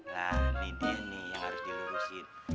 nah ini dia nih yang harus dilurusin